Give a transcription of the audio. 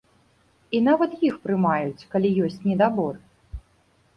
І нават іх прымаюць, калі ёсць недабор.